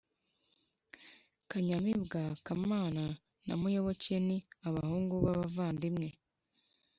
kanyamibwa, kamana na muyoboke ni abahungu b’abavandimwe